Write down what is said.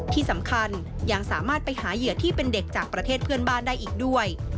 ที่สำคัญยังสามารถไปหาเหยื่อที่เป็นเด็กจากประเทศเพื่อนบ้านได้อีกด้วย